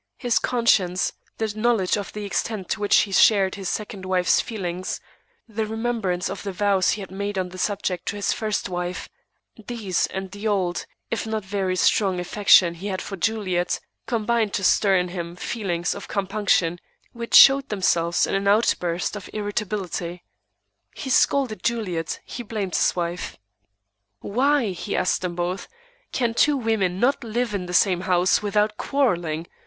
His conscience, the knowledge of the extent to which he shared his second wife's feelings, the remembrance of the vows he had made on the subject to his first wife, these and the old, if not very strong, affection he had for Juliet, combined to stir in him feelings of compunction which showed themselves in an outburst of irritability. He scolded Juliet; he blamed his wife. "Why," he asked them both, "can two women not live in the same house without quarrelling?